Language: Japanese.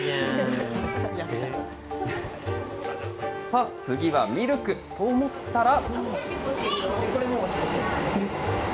さあ、次はミルクと思ったら。